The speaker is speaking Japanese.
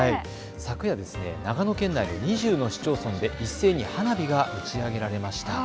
昨夜、長野県内の２０の市町村で一斉に花火が打ち上げられました。